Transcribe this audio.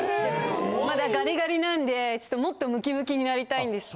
まだガリガリなんでもっとムキムキになりたいんです。